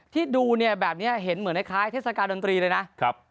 ที่ดูเนี่ยแบบนี้เห็นเหมือนคล้ายเทศกาลดนตรีเลยนะ